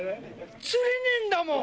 釣れねーんだもん。